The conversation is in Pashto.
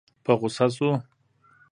په غوسه شو.